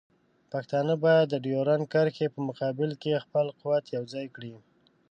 پښتانه باید د ډیورنډ کرښې په مقابل کې خپل قوت یوځای کړي.